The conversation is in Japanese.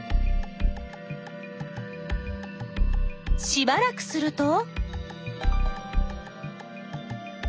しばらくすると。